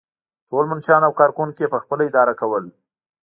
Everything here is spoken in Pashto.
ټول منشیان او کارکوونکي یې پخپله اداره کول.